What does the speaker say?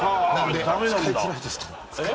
使いづらいですと。